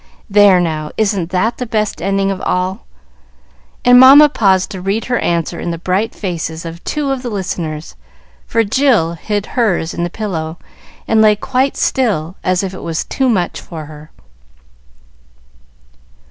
There, now! isn't that the best ending of all?" and Mamma paused to read her answer in the bright faces of two of the listeners, for Jill hid hers in the pillow, and lay quite still, as if it was too much for her.